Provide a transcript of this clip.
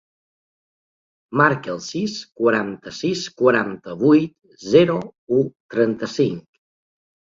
Marca el sis, quaranta-sis, quaranta-vuit, zero, u, trenta-cinc.